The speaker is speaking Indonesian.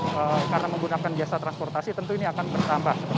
karena menggunakan biasa transportasi tentu ini akan bertambah